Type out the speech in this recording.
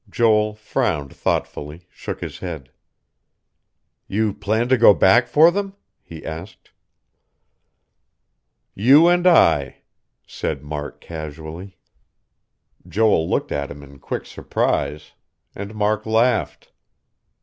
Joel frowned thoughtfully, shook his head. "You plan to go back for them?" he asked. "You and I," said Mark casually. Joel looked at him in quick surprise; and Mark laughed.